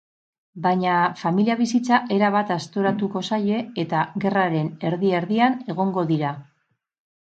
Baina familia bizitza erabat aztoratuko zaie, eta gerraren erdi-erdian egongo dira.